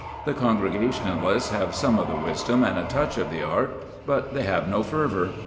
The Congregationalists have some of the wisdom and a touch of the art, but they have no fervour.